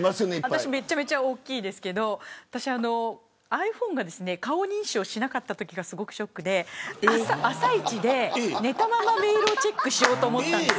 私、めちゃめちゃ大きいですけれどｉＰｈｏｎｅが顔認証しなかったときがすごくショックで朝一で寝たままメールをチェックしようと思ったんです。